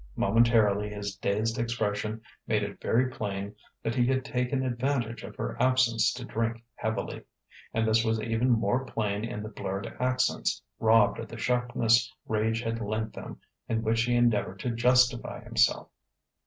Momentarily his dazed expression made it very plain that he had taken advantage of her absence to drink heavily. And this was even more plain in the blurred accents, robbed of the sharpness rage had lent them, in which he endeavoured to justify himself.